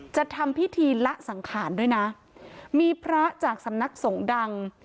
จะทำพิธีละสังขารด้วยนะมีพระจากสำนักสงฆ์ดัง